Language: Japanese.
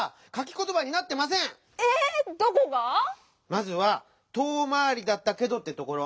まずは「とおまわり『だったけど』」ってところ。